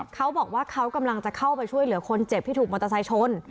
เขาบอกว่าเขากำลังจะเข้าไปช่วยเหลือคนเจ็บที่ถูกมอเตอร์ไซค์ชน